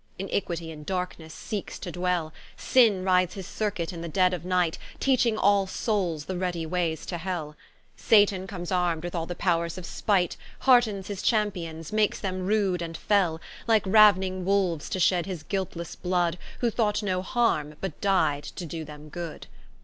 Inniquitie in Darknesse seekes to dwell: Sinne rides his circuit in the dead of Night, Teaching all soules the ready waies to hell; Sathan comes arm'd with all the powres of Spight, Heartens his Champions, makes them rude and fell; Like rau'ning wolues, to shed his guiltlesse blood, Who thought no harme, but di'd to doe them good.